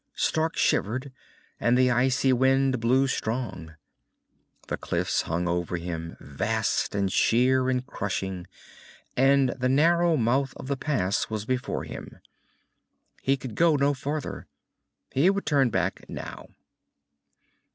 Stark shivered, and the icy wind blew strong. The cliffs hung over him, vast and sheer and crushing, and the narrow mouth of the pass was before him. He would go no farther. He would turn back, now.